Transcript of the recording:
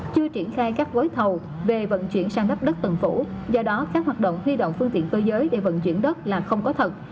chưa triển khai các gói thầu về vận chuyển sang đất tân phủ do đó các hoạt động huy động phương tiện cơ giới để vận chuyển đất là không có thật